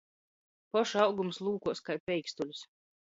Poša augums lūkuos kai peikstuļs.